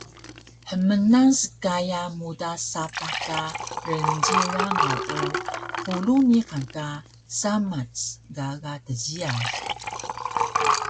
Hmnang skaya muda sapah ka rngji rangaw o qulung niqan ka samac gaga tjiyal